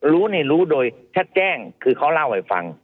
รู้นี่รู้โดยชัดแจ้งคือเขาเล่าให้ฟัง